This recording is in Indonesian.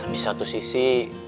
di satu sisi